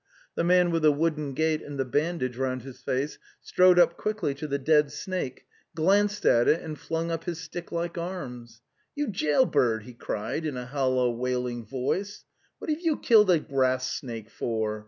The man with the wooden gait and the bandage round his face strode up quickly to the dead snake, glanced at it and flung up his stick like arms. "You jail bird!"' he cried in a hollow wailing voice. '' What have you killed a grass snake for?